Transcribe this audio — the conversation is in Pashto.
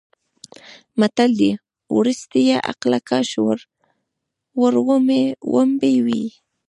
متل دی: ورستیه عقله کاش وړومبی وی.